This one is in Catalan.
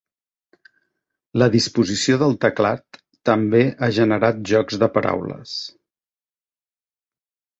La disposició del teclat també ha generat jocs de paraules.